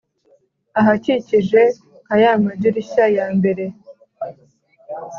ahakikije nka ya madirishya ya mbere